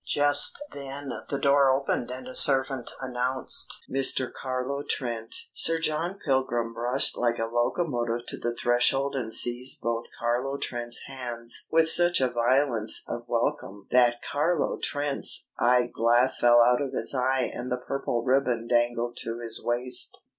Just then the door opened and a servant announced: "Mr. Carlo Trent." Sir John Pilgrim rushed like a locomotive to the threshold and seized both Carlo Trent's hands with such a violence of welcome that Carlo Trent's eyeglass fell out of his eye and the purple ribbon dangled to his waist.